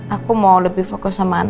aku mau lebih fokus sama anak